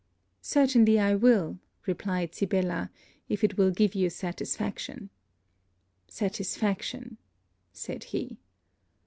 'Certainly, I will,' replied Sibella; 'if it will give you satisfaction.' 'Satisfaction!' said he.